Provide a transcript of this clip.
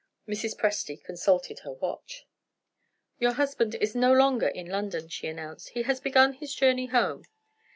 Mrs. Presty consulted her watch. "Your husband is no longer in London," she announced; "he has begun his journey home.